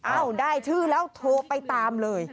ได้ชื่อแล้วโทรไปตามเลย